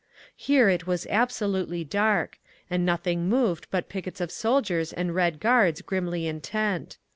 Here it was absolutely dark, and nothing moved but pickets of soldiers and Red Guards grimly intent.